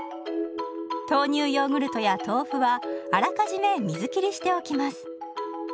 豆乳ヨーグルトや豆腐はあらかじめ水切りしておきます。